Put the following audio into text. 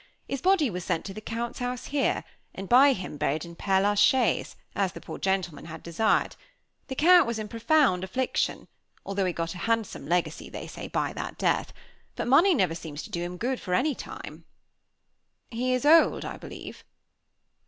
His body was sent to the Count's house here, and by him buried in Père la Chaise, as the poor gentleman had desired. The Count was in profound affliction; although he got a handsome legacy, they say, by that death. But money never seems to do him good for any time." "He is old, I believe?"